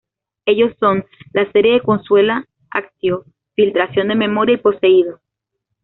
Ellos son: La Serie de consuela-ation, Filtración de Memoria, y Poseído.